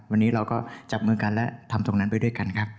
วันนี้เราก็จับมือกันและทำตรงนั้นไปด้วยกันครับ